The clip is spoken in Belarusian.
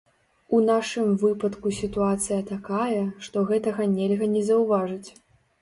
У нашым выпадку сітуацыя такая, што гэтага нельга не заўважыць.